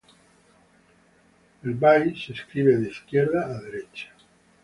El vai se escribe de izquierda a derecha.